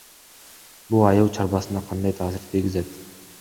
Бул айыл чарбасына кандай таасир тийгизет?